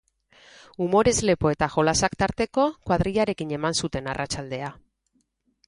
Umorez lepo eta jolasak tarteko, kuadrillarekin eman zuten arratsaldea.